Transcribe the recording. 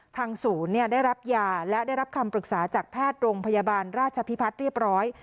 ทางศูนย์ได้รับยาและได้รับคำปรึกษาจากแพทย์โรงพยาบาลราชพิพัฒน์เรียบร้อย